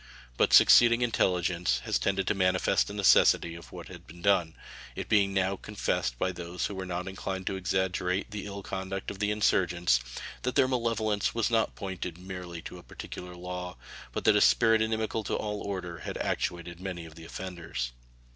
But succeeding intelligence has tended to manifest the necessity of what has been done, it being now confessed by those who were not inclined to exaggerate the ill conduct of the insurgents that their malevolence was not pointed merely to a particular law, but that a spirit inimical to all order has actuated many of the offenders.